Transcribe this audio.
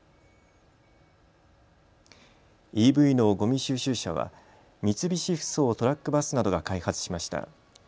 ＥＶのごみ収集車は三菱ふそうトラック・バスなどが開発しました。